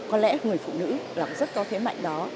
có lẽ người phụ nữ là rất có thế mạnh đó